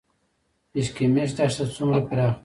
اشکمش دښته څومره پراخه ده؟